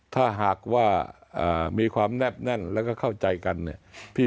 ถ้าหากว่ามีความแนบแน่นแล้วก็เข้าใจกันเนี่ย